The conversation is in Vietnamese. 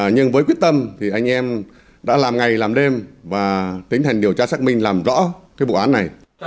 nhưng với quyết tâm thì anh em đã làm ngày làm đêm và tiến hành điều tra xác minh làm rõ cái vụ án này